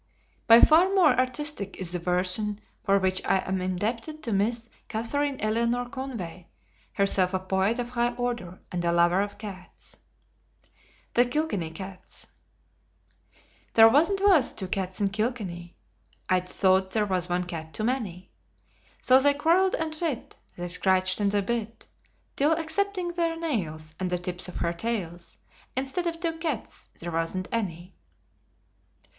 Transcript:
By far more artistic is the version for which I am indebted to Miss Katharine Eleanor Conway, herself a poet of high order and a lover of cats. THE KILKENNY CATS There wanst was two cats in Kilkenny, Aitch thought there was one cat too many; So they quarrelled and fit, They scratched and they bit, Till, excepting their nails, And the tips of their tails, Instead of two cats, there wasn't any.